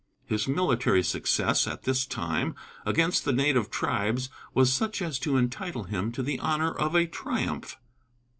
His military success at this time against the native tribes was such as to entitle him to the honor of a triumph.